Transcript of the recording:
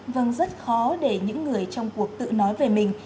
vâng rất khó để những người trong cuộc tự nói về mình